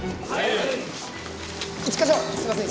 一課長すいません。